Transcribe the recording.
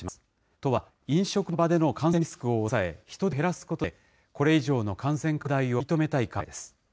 都は、飲食の場での感染リスクを抑え、人出を減らすことで、これ以上の感染拡大を食い止めたい考えです。